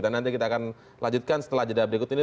nanti kita akan lanjutkan setelah jeda berikut ini